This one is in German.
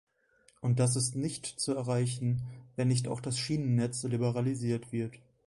Und das ist nicht zu erreichen, wenn nicht auch das Schienennetz liberalisiert wird.